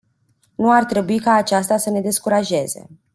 Nu ar trebui ca aceasta să ne descurajeze.